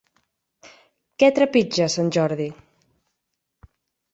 Què trepitja Sant Jordi?